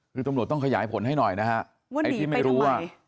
คือตำรวจต้องขยายผลให้หน่อยนะฮะไอ้ที่ไม่รู้ว่า